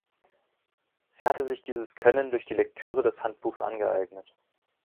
Sie hatte sich dieses Können durch die Lektüre des Handbuchs angeeignet.